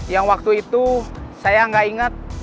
yang waktu itu saya nggak ingat